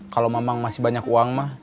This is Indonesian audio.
kalau memang masih banyak uang mah